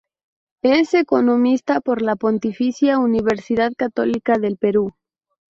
Es economista por la Pontificia Universidad Católica del Perú.